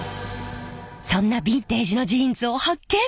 そんなビンテージのジーンズを発見！